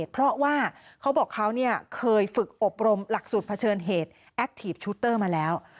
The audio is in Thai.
เพราะว่าเขาบอกเขาเนี้ยเคยฝึกอบรมหลักสูตรเผชิญเหตุมาแล้ว